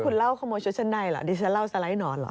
คุณเล่าขโมยชุดชั้นในเหรอดิฉันเล่าสไลด์หนอนเหรอ